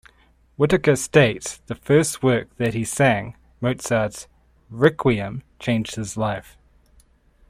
Whitacre states that the first work that he sang, Mozart's "Requiem", changed his life.